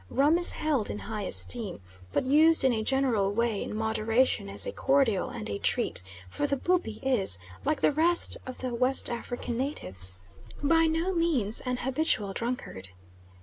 Rum is held in high esteem, but used in a general way in moderation as a cordial and a treat, for the Bubi is, like the rest of the West African natives, by no means an habitual drunkard.